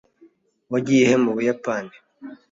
wagiye he mu buyapani